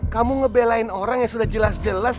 kamu ngebelain orang yang sudah jelas jelas